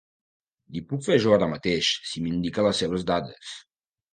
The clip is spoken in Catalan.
Li puc fer jo ara mateix si m'indica les seves dades.